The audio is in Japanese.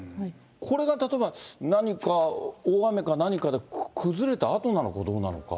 これが例えば、何か大雨か何かで崩れた跡なのかどうなのか。